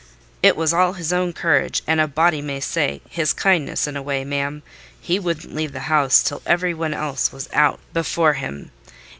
"It was all his own courage, and a body may say, his kindness, in a way, ma'am: he wouldn't leave the house till every one else was out before him.